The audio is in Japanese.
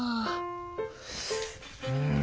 うん。